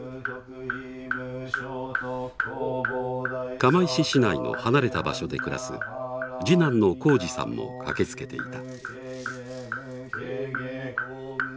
釜石市内の離れた場所で暮らす次男の公二さんも駆けつけていた。